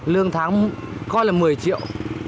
lương tháng coi là một mươi triệu